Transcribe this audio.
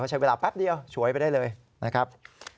ใช้เวลาแป๊บเดียวฉวยไปได้เลยนะครับ